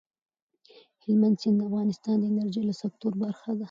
هلمند سیند د افغانستان د انرژۍ د سکتور برخه ده.